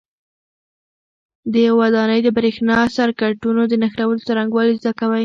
د یوې ودانۍ د برېښنا سرکټونو د نښلولو څرنګوالي زده کوئ.